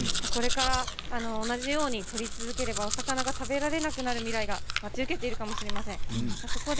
これから同じように取り続ければお魚が取れなくなる未来が待ち受けているかもしれません。